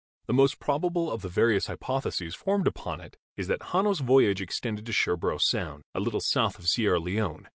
The most probable of the various hypotheses formed upon it is that Hanno's voyage extended to Sherbro Sound, a little south of Sierra Leone.